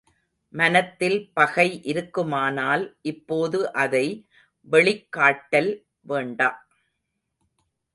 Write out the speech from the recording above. மனத்தில் பகை இருக்குமானால் இப்போது அதை வெளிக்காட்டல் வேண்டா.